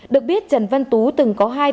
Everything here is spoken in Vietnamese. được biết trần văn tú từng có hai tiền án vệ sinh